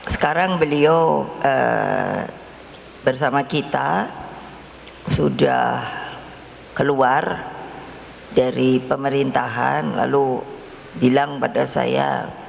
sekarang beliau bersama kita sudah keluar dari pemerintahan lalu bilang pada saya